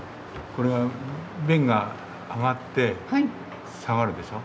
これが弁が上がって下がるでしょ。